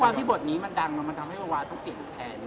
ความที่บทนี้ดังมันทำให้วาต๙๐แผน